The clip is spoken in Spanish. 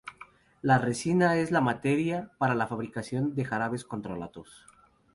La resina es la materia para la fabricación de jarabes contra la tos.